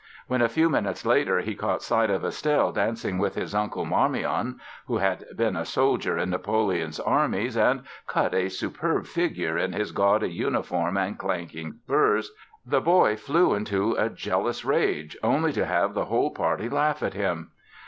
When a few minutes later he caught sight of Estelle dancing with his uncle Marmion—who had been a soldier in Napoleon's armies and cut a superb figure in his gaudy uniform and clanking spurs—the boy flew into a jealous rage, only to have the whole party laugh at him!